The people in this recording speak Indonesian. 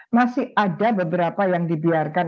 masih ada beberapa yang dibiarkan